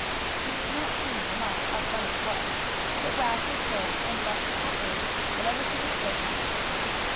He did not seem to mind how funny it was, but wagged his tail, and barked happily whenever he was spoken to.